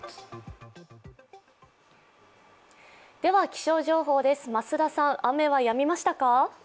気象情報です、増田さん、雨はやみましたか？